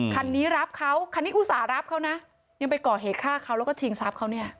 คันนี้รับเขาคันนี้อุตส่าห์รับเขานะยังไปก่อเหตุฆ่าเขาแล้วก็ชิงทรัพย์เขาเนี่ย